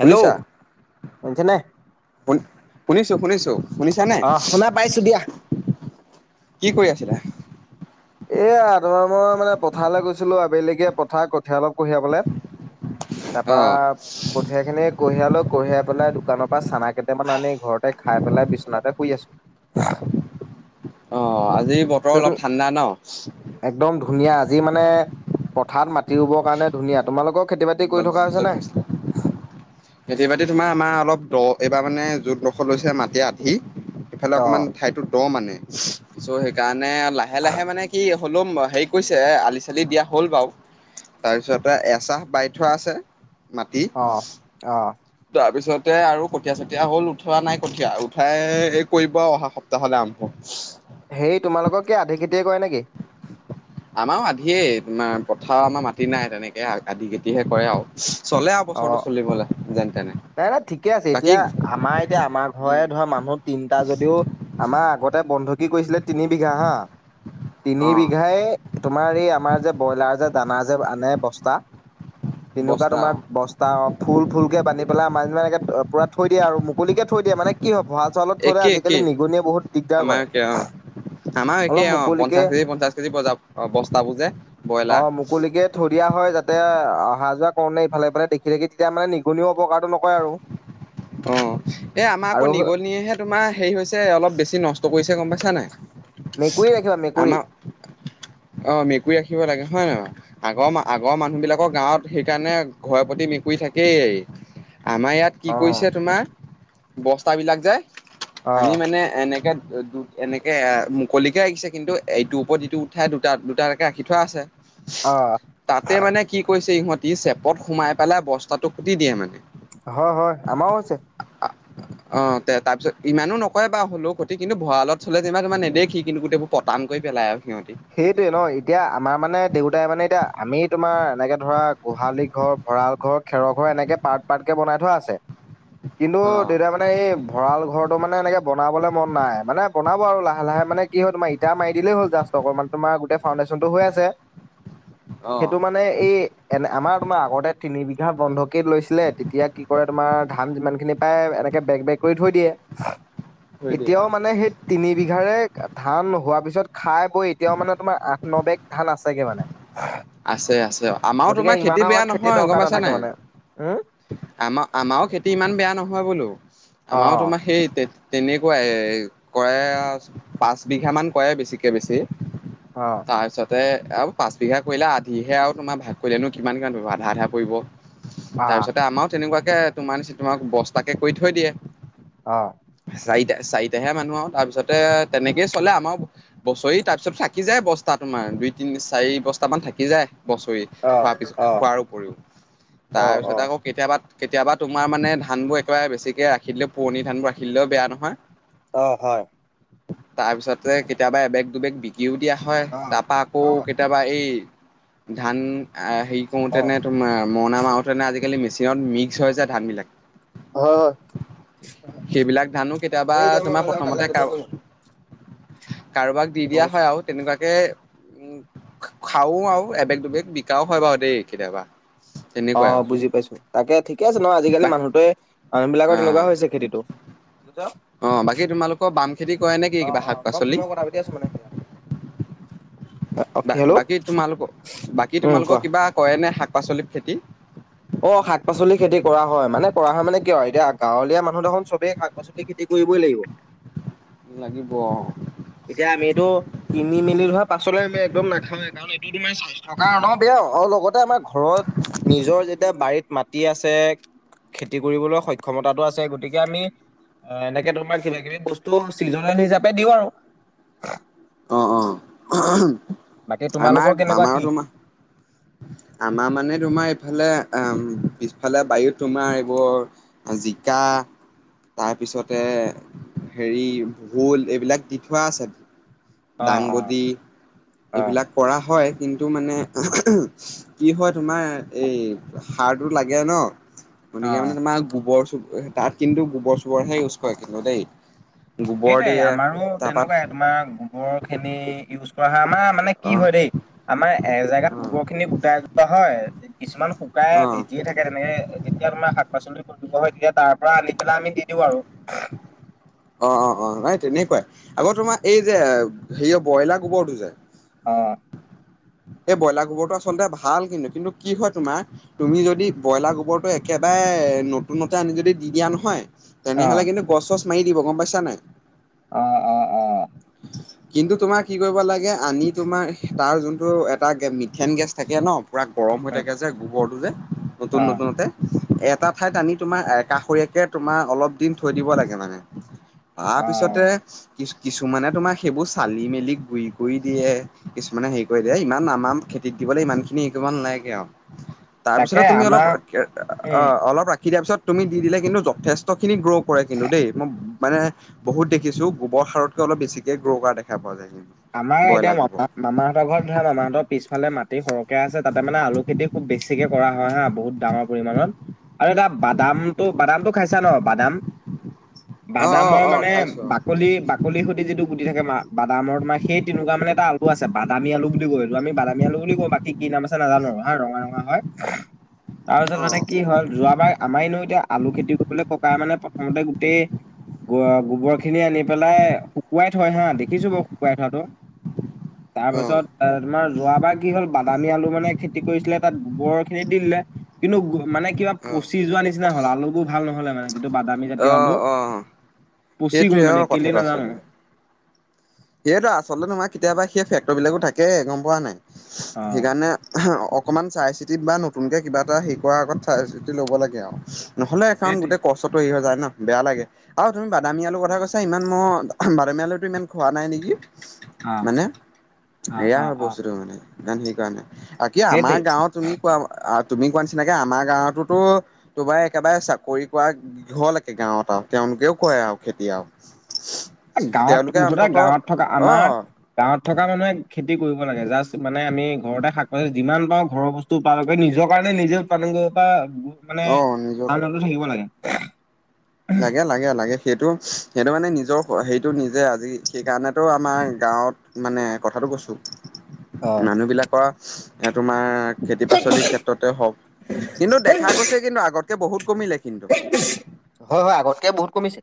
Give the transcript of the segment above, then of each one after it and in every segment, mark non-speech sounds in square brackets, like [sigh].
Hello শুনিছা? শুনিছানে? শুন শুনিছোঁ শুনিছোঁ। শুনিছা নে? অ শুনা পাইছো দিয়া। কি কৰি আছিলা? এ, আ, তমাৰ মই মানে পথাৰলৈ গৈছিলো আবেলিকে পথাৰ কঠীয়া অলপ কঢ়িয়াবলে। অ তাৰপা সেইখিনি কঢ়িয়াইলৈ কঢ়িয়াই পেলাই দোকানৰপৰা চানা কেইটামান আনি ঘৰতে খাই পেলাই বিচনাতে শুই আছোঁ। [inaudible] অ' আজি বতৰ অলপ ঠাণ্ডা ন'? একদম ধুনীয়া, আজি মানে পথাৰত মাটি ৰুবৰ কাৰণে ধুনীয়া। তোমালোকক খেতি বাতি কৰি থকা য'ত হৈছেনে? হৈছিলে খেতি বাতি তোমাৰ আমাৰ অলপ দ এইবাৰ মানে য'ত ল'খৰ লৈছে মাটি আধি এইফালে অ অকণমান ঠাইটো দ মানে চ' কাৰণে, লাহে লাহে মানে কি হ'লেও হেৰি কৰিছে, আলি চালি দিয়া হ'ল বাৰু, তাৰপিছতে এচাহ বাই থোৱা আছে, মাটি। অ অ তাৰপিছতে আৰু কঠীয়া চঠীয়া হ'ল। উঠোৱা নাই কঠীয়া, উঠাই এই কৰিব অহা সপ্তা হ'লে আৰম্ভ। হেৰি, তোমালোকৰ কি আধি খেতিয়ে কৰে নেকি? আমাৰো আধিয়ে, আমাৰ পথাৰ আমাৰ মাটি নাই তেনেকে। আধি খেটিহে কৰে আৰু। চলে আৰু অ বছৰটো চলিবলৈ যেন তেনে। নাই নাই ঠিকে আছে বাকী এতিয়া আমাৰ এতিয়া, আমাৰ উম ঘৰৰে ধৰা মানুহ তিনটা যদিও আমাৰ আগতে বন্ধকী কৰিছিলে তিনি বিঘা হা তিনি অ বিঘাই তোমাৰ এই আমাৰ যে ব্ৰইলাৰ যে দানা যে আনে বস্তা। তেনেকুৱা বস্তা তোমাৰ অ বস্তা, ফুল ফুল কে বান্ধি পেলাই আমাৰ যেনিবা এনেকে পুৰা থৈ দিয়ে আৰু মুকলিকে থৈ দিয়ে মানে কি হয়, ভঁৰাল চৰালত থলে একেই একেই আজিকালি নিগনিয়ে বহুত দিগদাৰ কৰে। আমাৰো অলপ একেই অ', মুকলিকে পঞ্চাশ কেজি পঞ্চাশ কেজি বস্তাবোৰ যে অ ব্ৰইলাৰ। মুকলিকে থৈ দিয়া হয়, যাতে অহা যোৱা কৰোতে ইফালে সিফালে মানে দেখি ঠাকি, তেতিয়া মানে নিগনিও অপকাৰটো নকৰে আৰু। অ', এ আমাৰ আৰু আকৌ নিগনিয়েহে তোমাৰ হেৰি হৈছে, অলপ বেছি নষ্ট কৰিছে গম পাইছা নে মেকুৰী নাই। ৰাখিবা মেকুৰী আমাৰ অ', মেকুৰী ৰাখিব লাগে হয় নে নহয়। আগৰ, আগৰ মানুহবিলাকৰ গাঁৱত সেইকাৰণে ঘৰে পতি মেকুৰী থাকেই। আমাৰ ইয়াত কি অ কৰিছে তোমাৰ, বস্তাবিলাক যায়। অ আমি মানে এনেকৈ দু এনেকে এ মুকলিকে ৰাখিছে, কিন্তু এইটোৰ ওপৰত ইটো উঠাই দুটা দুটাকে ৰাখি থোৱা আছে। অ', তাতে মানে কি কৈছে ইহঁতি। চেপত সোমাই পেলাই বস্তাটো কুটি দিয়ে মানে। হয় হয়। আমাৰো আছে। অ', তে তাৰপিছত ইমানো নকয় বাৰু হ'লেও ক্ষতি কিন্তু ভঁৰালত থলে যেনিবা তোমাৰ নেদেখি কিন্তু গোটেইবোৰ পতান কৰি পেলায় আৰু সিহঁতি। সেইটোৱে ন, এতিয়া আমাৰ মানে দেউতাই মানে এতিয়া, আমি তোমাৰ এনেকৈ ধৰা গোহালি ঘৰ। ভঁৰাল ঘৰ, খেৰৰ ঘৰ, এনেকে পাৰ্ট পাৰ্ট কে বনাই থোৱা আছে কিন্তু অ' দেউতা মানে মানে এই ভঁৰাল ঘৰটো মানে এনেকে বনাবলৈ মন নাই। মানে বনাব আৰু লাহে লাহে মানে। কি হয় তোমাৰ, ইটা মাৰি দিলেই হ'ল জাষ্ট অকনমান, তোমাৰ গোটেই ফাউণ্ডেশনটো হৈ আছে। অ' সেইটো মানে এই এনে, আমাৰ তোমাৰ আগতে তিনি বিঘা বন্ধকেই লৈছিলে। তেতিয়া কি কৰে তোমাৰ ধান যিমান খিনি। প্ৰায় এনেকে বেগ বেগ কৰি থৈ দিয়ে। থৈ দিয়ে এতিয়াও অ'। মানে সেই তিনি বিঘাৰে ধান হোৱাৰ পিছত খাই। বৈ এতিয়াও মানে তোমাৰ আঠ ন বেগ ধান আছেগে মানে। আছে আছে। আমাৰো গতিকে তোমাৰ ইমান খেতি বেয়া আমাৰ নহয়, দৰকাৰ গম পাইছা নাথাকে নাই। মানে উম আমাৰ, আমাৰো খেতি ইমান বেয়া নহয় বোলো। অ আমাৰো তোমাৰ সেই তে, তেনেকুৱাই কৰায়ে, পাঁচ বিঘামান কৰেয়ে। বেছিকৈ বেছি অ', তাৰপিছতে আৰু পাঁচ বিঘা কৰিলে, আধিহে আৰু তোমাৰ ভাগ কৰিলেনো কিমান কিমান পৰিব, আধা আধা পৰিব। আ তাৰপিছতে আমাৰো তেনেকুৱাকে তোমাৰ নি, তোমাৰ নিচিনাকৈ বস্তাকে কৰি থৈ দিয়ে। অ', চাৰিটা চাৰিটাহে মানুহ আৰু তাৰপিছতে তেনেকেই চলে আমাৰো। বছৰি, তাৰ পিছত থাকি যায় বস্তা তোমাৰ। দুই তিনি চাৰি বস্তা। তামান থাকি যায়, বছৰি অ খোৱাৰ পিছত। অ খোৱাৰ উপৰিও। অ অ তাৰপিছতে আকৌ কেতিয়াবা কেতিয়াবা তোমাৰ মানে ধানবোৰ একেবাৰে বেছিকে ৰাখি দিলে, পুৰণি ধানবোৰ ৰাখিদিলেও বেয়া নহয়। অ', হয়। তাৰপিছতে কেতিয়াবা এবেগ দুবেগ বিকিও দিয়া হয় অ তাৰপা আকৌ অ কেতিয়াবা বা এই ধান হেৰি অ কৰোঁতেনে তোমাৰ মৰণনা মাহতেনে আজিকালি মেচিনত মিক্স হৈ যায় ধান বিলাক। হয় হয় সেইবিলাক ধানো কেতিয়াবা এই এতিয়া মই তোমাৰ নাযাওঁ কাইলৈ প্ৰথমতে ৰাতিপুৱা কাৰ কৰিম কাৰোবাক দি মই দিয়া কৈছো হয় আৰু তেনেকুৱাকে উম খাও আৰু এবেগ দুবেগ বিকাও হয় বাৰু দেই কেতিয়াবা। তেনেকুৱাই অ', আৰু বুজি পাইছো তাকে ঠিকে আছে ন আজিকালি বাকী মানুহটোৱে মানুহ বিলাকৰ তেনেকুৱা হৈছে খেতিটো। [unintelligible] অঁ', বাকী তোমালোকৰ বাম খেতি কৰে নে কি অ কিবা অ শাক মই পাচলি? [unintelligible] বা হেল্ল' বাকী তোমালোকৰ বাকী উম কোৱা তোমালোকৰ কিবা কৰে নে শাক পাচলিৰ খেতি? অ', শাক পাচলি খেতি কৰা হয় মানে কৰা হয় মানে কিয় আৰু এতিয়া গাঁৱলীয়া মানুহ দেখোন চবেই শাক পাচলি পাচলি খেতি কৰিবই লাগিব। লাগিব অ'। এতিয়া আমি এইটো কিনি মেলি হোৱা পাছলৈ আমি একদম নাখাৱেই কাৰণ এইটো তোমাৰ স্বাস্থ্যৰ কাৰণৰ বেয়া আৰু লগতে আমাৰ ঘৰত নিজৰ যেতিয়া বাৰীত মাটি আছে। খেতি কৰিবলৈ সক্ষমতাটো আছে গতিকে আমি অ', এনেকে তোমাৰ কিবা কিবি বস্তু চিজনেল হিচাপে দিওঁ আৰু। অ অ বাকী আমাৰ তোমালোকৰ কেনেকুৱা আমাৰো কি? তোমাৰ আমাৰ মানে তোমাৰ এইফালে আহ পিছফালে বাৰীত তোমাৰ এইবোৰ জিকা তাৰপিছতে হেৰি ভোল এইবিলাক দি থোৱা আছে। অ দাংবডী অ এইবিলাক অ কৰা হয় কিন্তু মানে কি হয় তোমাৰ এই সাৰটো লাগে ন। অ গতিকে মানে তোমাৰ গোবৰ চ তাত কিন্তু গোবৰ চোবৰহে ইউজ কৰে কিন্তু দেই। গোবৰ সেইটোৱে দিয়ে আমাৰো তাৰপা তেনেকুৱাই তোমাৰ গোবৰ খিনি ইউজ কৰা আমাৰ মানে কি অ হয় দেই। আমাৰ এজেগাত অ গোবৰ খিনি গোটাই যোৱা হয়। কিছুমান শুকাই অ ভিজিয়ে থাকে তেনেকে তেতিয়া তোমাৰ শাক পাচলি ওপৰত দিব হয় তেতিয়া তাৰ পৰা আনি পেলাই আমি দি দিওঁ আৰু। অ', অ', অ', এাই তেনেকুৱাই আকৌ তোমাৰ এই যে হেৰিয় ব্ৰইলাৰ গোবৰটো যে অ'। এই ব্ৰইলাৰ গোবৰটো আচলতে ভাল কিন্তু কিন্তু কি হয় তোমাৰ তুমি যদি ব্ৰইলাৰ গোবৰটো একেবাৰে নতুনতে আনি যদি দি দিয়া নহয় অ তেনেহ'লে কিন্তু গছ চছ মাৰি দিব গম পাইছা নাই। অ', অ'। অ কিন্তু তোমাৰ কি কৰিব লাগে আনি তোমাৰ তাৰ যোনটো এটা মিথেন গেছ থাকে ন। পুৰা গৰম হৈ উম, থাকে যে গোবৰটো যে অ নতুন নতুনতে। এটা ঠাইত আনি তোমাৰ একাষৰীয়াকে তোমাৰ অলপ দিন থৈ দিব লাগে মানে। তাৰপিছতে অ কি কিছুমানে তোমাৰ সেইবোৰ চালি মেলি গুৰি কৰি দিয়ে। কিছুমানে হেৰি কৰি দিয় ইমান আমাৰ খেতিত দিবলৈ ইমান খিনি হৰি নালাগে আৰু। তাকে তাৰপিছতে তুমি অলপ আমাৰ অ', উম অলপ ৰাখি দিয়াৰ পিছত তুমি দি দিলে কিন্তু যথেষ্টখিনি গ্ৰ' কৰে কিন্তু দেই মই মানে বহুত দেখিছো গোবৰ সাৰতকে অলপ বেছিকে গ্ৰ' কৰা দেখা পোৱা যায়। আমাৰ এতিয়া ব্ৰইলাৰ গোবৰ মামা মামাহঁতৰ ঘৰত ধৰা মামাহঁতৰ পিছফালে মাটি সৰহকে আছে তাতে মানে আলু খেতি খুব বেছিক কে কৰা হয় হা বহুত ডাঙৰ পৰিমানত আৰু এটা বাদামটো বাদামটো খাইছা ন বাদাম? অ অ বাদামৰ অ মানে খাইছো বাকলি বাকলিৰ সৈতে যিটো গুটি থাকে মা বাদামৰ তোমাৰ সেই তেনেকুৱা মানে এ, আলু আছে বাদামী আলু বুলি কয়, এইটো আমি বাম আলু বুলি কওঁ বাকী কি নাম আছে নাজানো হা, ৰঙা ৰঙা হয় তাৰপিছত অ মানে কি হ'ল যোৱাবাৰ আমাৰ এনেও এতিয়া আলু খেতি কৰিবলে ককা মানে প্ৰথমতে গোটেই গ-গোবৰখিনি আনি পেলাই শুকুৱাই থয় হা, দেখিছো বাৰু শুকুৱাই থোৱাটো অ তাৰপিছত তোমাৰ যোৱাবাৰ কি হ'ল বাদামী আলু মানে খেতি কৰিছিলে তাত গোবৰৰ খেতি দি দিলে। কিন্তু মানে কিবা অ পচি যোৱা নিচিনা হ'ল, আলুবোৰ ভাল নহ'লে মানে। যিটো বাদামী জাতীয় অ আলু অ পচি গল সেইটোৱে অ মানে কেলে নাজানো। সেয়েতো আচলতে তোমাৰ কেতিয়াবা সেই ফেক্টৰ বিলাকো থাকে গম পোৱা নাই, অ'। সেইকাৰণে অকণমান চাই চিতি বা নতুনকে কিবা এটা হেৰি কৰাৰ আগত চাই চিতি ল'ব লাগে আৰু নহ'লে এখন সেইটোৱে গোটেই কষ্ট কষ্টটো হেৰি হৈ যায় ন' বেয়া লাগে, আৰু তুমি বাদামী আলুৰ কথা কৈছা, ইমান মই বাদামী আলুটো ইমান খোৱা নাই নেকি অ', মানে, অ', এয়া অ', হয় অ', বস্তুটো মানে ইমান হেৰি কৰা নাই। বাকি আমাৰ সেইটোৱে গাঁৱত তুমি ক তুমি কোৱা নিচিনাকে আমাৰ গাঁৱততো তোমাৰ একেবাৰে চাকৰি কৰা হ'ল একে গাঁৱত আৰু তেওঁলোকেও কৰে আৰু খেতি আৰু। গাঁৱত তেওঁলোকে মুঠতে অন্তত গাঁৱত থকা অ আমাৰ গাঁৱত থকা মানুহে খেতি কৰিব লাগে জাষ্ট মানে আমি ঘৰতে শাক পাচলি যিমান পাওঁ ঘৰৰ বস্তু টো পাম একে নিজৰ কাৰণে নিজে উৎপাদন কৰিব পৰা মানে অ নিজৰ আনন্দ থাকিব লাগে। লাগে লাগে লাগে, সেইটো সেইটো মানে নিজৰ সেইটো নিজে, আজি সেইকাৰণেতো আমাৰ গাঁৱত মানে কথাটো কৈছোঁ। [inaudible] মানুহবিলাকৰ এ, তোমাৰ খেতি পাচলিৰ ক্ষেত্ৰ ত'তেই হ'ক কিন্তু দেখা গৈছে কিন্তু আগতকে বহুত কমিলে। কিন্তু হয় হয় আগতকে বহুত কমিছে।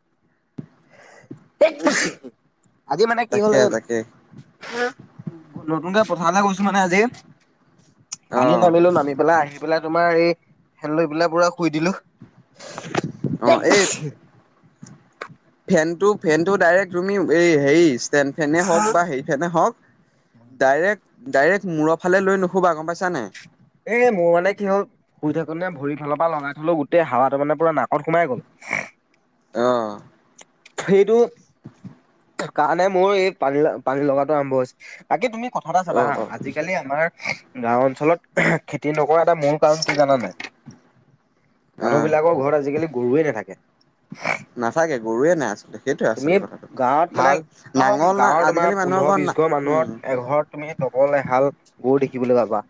আজি মানে কি হ'ল তাকে এ, তাকে নতুনকে পথাৰলে গৈছোঁ মানে আজি অ পানীত নামিলো নামি পেলাই আহি পেলাই তোমাৰ এই খেলৈ বিলা পুৰা শুই দিলোঁ। অ' এই ফেনটো ফেনটো ডাইৰেক্ট তুমি এই হেৰি ষ্টেণ্ড ফেনে হওক বা হে ফেনে হওক ডাইৰেক্ট ডাইৰেক্ট মূৰৰ ফালে লৈ নুশুবা গম পাইছা নাই? এ, মোৰ মানে কি হ'ল শুই থাকোঁত ভৰিৰ ফালৰপৰা লগাই থলো, গোটেই হাৱাটো মানে পুৰা নাকত সোমাই গ'ল। অ'। সেইটো কাৰণে মোৰ এই পানী পানী লগাটো আৰম্ভ হৈছে। বাকী তুমি কথা এটা চাবা অ হা অ আজি আজিকালি আমাৰ গাওঁ অঞ্চলত খেতি নকৰা এটা মূল কাৰণ কি জানা নাই? অ মানুহবিলাকৰ ঘৰত আজিকালি গৰুৱে নাথাকে। নাথাকে গৰুৱে নাই। আচলতে সেইটোৱে তুমি আচলতে কথাটো। গাঁৱত মানে হাল একদম নাঙল না গাঁৱৰ আজিকালি তোমাৰ মানুহৰ পোন্ধৰ ঘৰত না বিশ ঘৰ উম মানুহৰ এঘৰত তুমি ব'বলে এহাল গৰু দেখিবলৈ পাবা।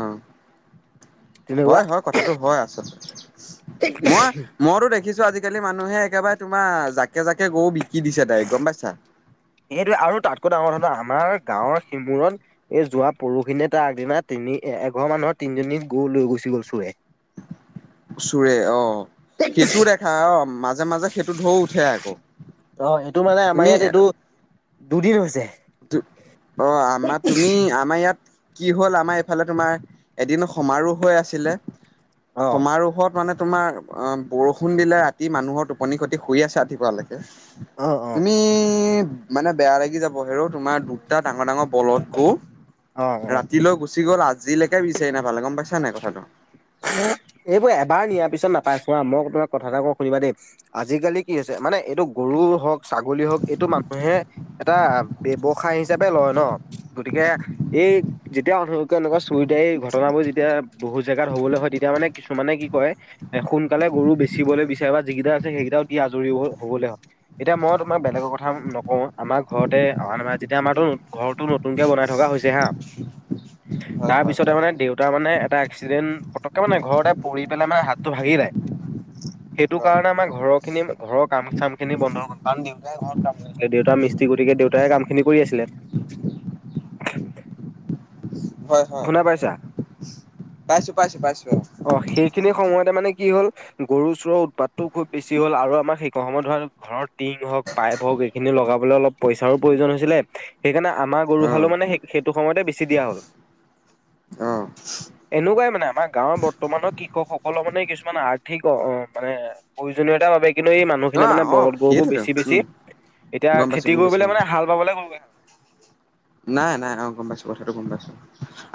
অ' তেনেকুৱা হয় হয় কথাটো হয় আচলতে। মই মইতো দেখিছোঁ আজিকালি মানুহে একেবাৰে তোমাৰ জাকে জাকে গৰু বিকি দিছে তাইক গম পাইছা? এইটোৱে আৰু তাতকৈ ডাঙৰ কথা আমাৰ গাঁৱৰ সিমুৰত এই যোৱা পৰহখিনিয়ে তাৰ আগদিনা তিনি এ, এঘৰ মানুহৰ তিনিজনী গৰু লৈ গুচি গল চোৰে। চোৰে অ'। সেইটোও অ দেখা অ' মাজে মাজে সেইটো ঢৌ উঠে আকৌ। অ' এইটো মানে আমাৰ তুমি ইয়াত এইটো দুদিন হৈছে। দু অ' আমাৰ তুমি আমাৰ ইয়াত কি হ'ল আমাৰ এইফালে তোমাৰ এদিন সমাৰোহ হৈ আছিলে, অ সমাৰোহত মানে তোমাৰ অ' বৰষুণ দিলে ৰাতি মানুহৰ টোপনি ক্ষতি শুই আছে ৰাতিপুৱালে অ অ তুমি মানে বেয়া লাগি যাব, হেৰ' তোমাৰ দুটা ডাঙৰ ডাঙৰ বলধ গৰু অ অ ৰাতিলৈ গুচি গ'ল আজিলৈকে বিচাৰি নাপালে গম পাইছা নাই কথাটো। এইবোৰ এবাৰ নিয়াৰ পিছত নাপাই চোৱা মই তোমাক কথা এটা কওঁ শুনিবা দেই আজিকালি কি হৈছে মানে এইটো গৰু হওঁক ছাগলী হওঁক এইটো মানুহে এটা ব্যৱসায় হিচাপে লয় ন। গতিকে এই যেতিয়া এনেকুৱা চুৰি টাৰী এই ঘটনাবোৰ যেতিয়া বহু জে গাত হ'বলৈ হয় তেতিয়া মানে কিছুমানে কি কয় এ সোনকালে গৰু বেচিবলৈ বিচাৰে বা যিকেইটা আছে সেইকেইটাও দি আজৰি হ'বলৈ হয়। এতিয়া মই তোমাক বেলেগৰ কথা নকওঁ আমাৰ ঘৰতে অ আ যেতিয়া আমাৰো ঘৰতো নতুনকে বনাই থকা হৈছে হা হয় তাৰ হয় পিছতে মানে দেউতা মানে এটা এক্সিডেণ্ট পটককে মানে ঘৰতে পৰি পেলাই মানে হাতটো ভাাগিলে, সেইটো হয় কাৰণে আমাৰ ঘৰত খি ঘৰ কাম চাম খিনি বন্ধ হৈ গ'ল কাৰণ দেউতাই ঘৰত কাম দেউতাৰ মিস্ত্ৰী গতিকে দেউতাই কাম খিনি কৰি আছিলে। হয় হয় শুনা পাইছা পাইছো পাইছো পাইছো আৰু অ' সেইখিনি সময়তে মানে কি হ'ল গৰু চোৰৰ উৎপাতটোও খুব বেছি হ'ল আৰু আমাৰ সেই সময়ত ধৰক ঘৰৰ টিং হওঁক পাইপ হওঁহক এইখিনি লগাবলৈ অলপ পইচাৰো প্ৰয়োজন হৈছিলে সেইকাৰণে আমাৰ গৰু অ। হালো মানে স সেইটো সময়তে বেছি দিয়া হ'ল। অ'। এনেকুৱাই মানে আমাৰ গাঁৱৰ বৰ্তমানৰ কৃষকসকলৰ মানে কিছুমান আৰ্থিক মানে প্ৰয়োজনীয়তাৰ বাবে কিন্তু এই মানুহখিনিয়ে মানে অ বলধ গৰু বোৰ সেইটোতো বেচি উম বেচি গম এতিয়া পাইছো খেতি গম পাইছো অ কৰিবলৈ মানে হাল বাবলৈ গৈ নাই নাই অ' গম পাইছো কথাটো গম পাইছো।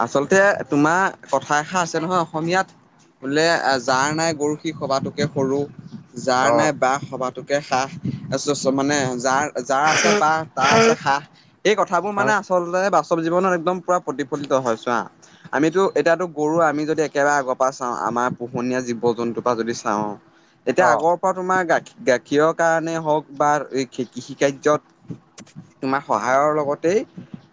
আচলতে তোমাৰ কথা এষাৰ আছে নহয় অসমীয়াত বোলে যাৰ নাই গৰু সি সবাতোকে সৰু। যাৰ নাই অ', বাঁহ সবাতোকে সাঁহ মানে যাৰ যাৰ আছে বাঁহ তাৰ আছে হয় সাঁহ সেই কথাবোৰ মোৰ মানে আচলতে বাস্তৱ জীৱনত একদম পুৰা প্ৰতিফলিত হয় চোৱা। আমিতো এতিয়াতো গৰু আমি যদি একেবাৰে আগৰ পৰা চাওঁ, আমাৰ পোহনীয়া জীৱ-জন্তুৰ পৰা যদি চাওঁ এতিয়া অ', আগৰ পৰা তোমাৰ গাৰ গাখীৰৰ কাৰণে হওঁক বা এই কৃষি কাৰ্যত তোমাৰ সহায়ৰ লগতে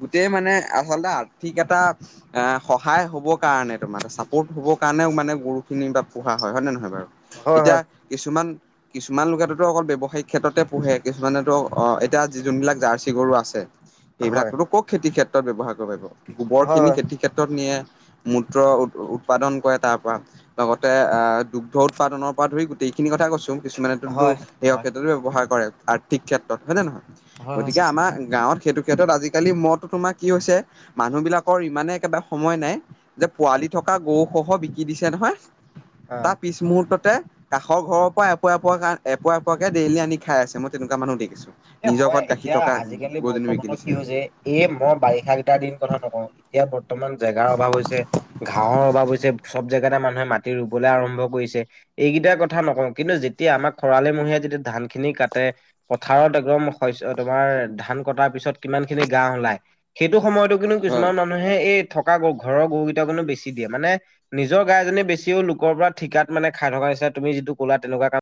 গোটেই মানে আচলতে আৰ্থিক এটা এ সহায় হব কাৰণে তোমাৰ চাপৰ্ট হ'বৰ কাৰণেও মানে গৰুখিনি বা পোহা হয় নে নহয় বাৰু। হয়, এতিয়া হয়, কিছুমান কিছুমান লোকেতোতো অকল ব্যৱসায়িক ক্ষেত্ৰতে পোহে কিছুমানেতো এতিয়া যোনবিলাক জাৰ্চি গৰু আছে সেইবিলাক হয়, টো টো খেতি ক্ষেত্ৰত ব্যৱহাৰ কৰিব পাৰিব, গোৱৰ হয়, খিনি হয়, খেতিৰ ক্ষেত্ৰত নিয়ে। মূত্ৰ উৎপাদন কৰে তাৰ পৰা। লগতে আহ দুগ্ধ উৎপাদনৰ পৰা ধৰি গোটেইখিনি কথা কৈছো। কিছুমানেটো হয়, সেইয়া হয়, ক্ষেত্ৰতো ব্যৱহাৰ কৰে, আৰ্থিক ক্ষেত্ৰত হয় নে নহয়। হয়, হয়, হয় গতিকে আমাৰ গাঁৱত সেইটো ক্ৰিকেতত আজিকালি ম তোমাৰ কি হৈছে মানুহ বিলাকৰ ইমানে একেবাৰে সময় নাই যে পোৱালি থকা গৰু সহ বিকি দিছে নহয় অ তাৰ পিছ মুহুৰ্ততে কাষ ঘৰৰ পৰা এপোৱা এপোৱা এপ এপোৱাকে ডেইলি আনি খাই আছে মই তেনেকুৱা মানুহ দেখিছো। এ নিজৰ হয় ঘৰত গাখীৰ এতিয়া থকা আজিকালি গৰুজনী বৰ্তমানৰ বিকি কি দিছে হৈছে এ মই বাৰিষা কেইটাৰ দিন কথা নকওঁ এতিয়া বৰ্তমান জেগাৰ অভাৱ হৈছে ঘাঁহৰ অভাৱ হৈছে চব জেগাতে মানুহে মাটি ৰুবলৈ আৰম্ভ কৰিছে এইকেইটা কথা নকওঁ কিন্তু যেতিয়া আমাক খৰালিমহিয়াই যেতিয়া ধান খিনি কাটে পথাৰত একদম শস্ তোমাৰ ধান কটাৰ পিছত কিমান খিনি ঘাঁহ ওলাই সেইটো সময়তো কিন্তু হয় কিছুমান মানুহ মানুহে এই থকা ঘৰৰ গৰু কেইটা কনো বেছি দিয়ে। মানে নিজৰ গাইজনী বেছিও লোকৰ পৰা ঠিকাত মানে খাই থকা নিচা তুমি যিটো ক'লা তেনেকুৱা কাম